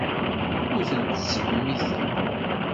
Ur ten-ttsemmiteɣ.